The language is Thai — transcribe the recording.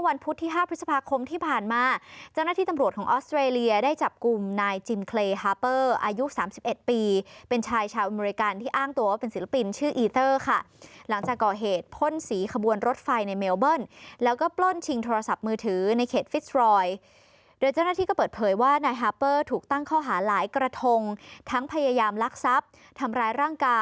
วันพุทธที่๕พฤษภาคมที่ผ่านมาเจ้าหน้าที่ตำรวจของออสเตรเลียได้จับกลุ่มนายจิมเคลย์ฮาเปอร์อายุ๓๑ปีเป็นชายชาวอเมริกันที่อ้างตัวว่าเป็นศิลปินชื่ออีเตอร์ค่ะหลังจากก่อเหตุพ่นสีขบวนรถไฟในเมลเบิ้ลแล้วก็ปล้นชิงโทรศัพท์มือถือในเขตฟิสรอยโดยเจ้าหน้าที่ก